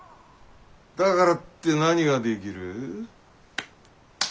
だからって何ができる？